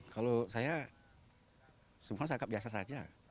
kalau saya semua saya agak biasa saja